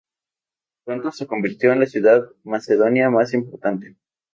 Pronto se convirtió en la ciudad macedonia más importante.